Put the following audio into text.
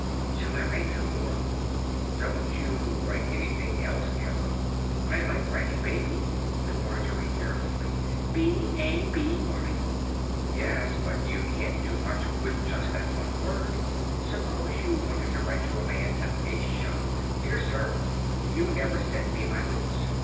"Shall I write some more?" "Don't you write anything else ever?" "I like writing 'baby,'" said Margery carelessly. "B a b y." "Yes, but you can't do much with just that one word. Suppose you wanted to write to a man at a shop 'Dear Sir, You never sent me my boots.